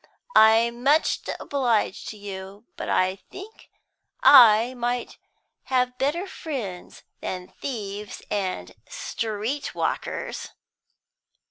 I'm much obliged to you, but I think I might have better friends than thieves and street walkers."